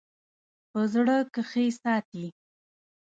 په زړه کښې ساتي--